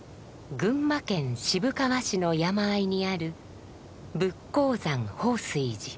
群馬県渋川市の山あいにある佛光山法水寺。